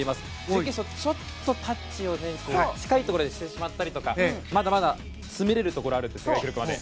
準決勝、ちょっとタッチを近いところでしてしまったりとかまだまだ詰めれるところはあるんですね。